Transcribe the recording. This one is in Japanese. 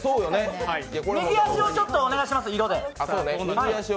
右足をちょっとお願いします、色で。